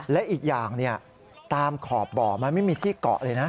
และอีกอย่างตามขอบบ่อมันไม่มีที่เกาะเลยนะ